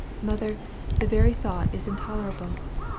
Mother, the very thought is intolerable!